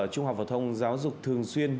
trung học và thông giáo dục thường xuyên